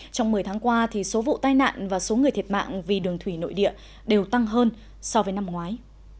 trong một mươi tháng qua số vụ tai nạn và số người thiệt mạng vì đường thủy nội địa đều tăng hơn so với năm ngoái